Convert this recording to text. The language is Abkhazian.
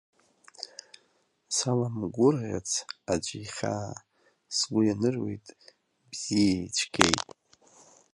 Саламгәырӷьац аӡәы ихьаа, сгәы ианыруеит бзиеи цәгьеи.